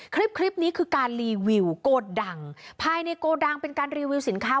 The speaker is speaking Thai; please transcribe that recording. คลิปนี้คือการรีวิวโกดังภายในโกดังเป็นการรีวิวสินค้า